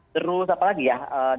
terus apa lagi ya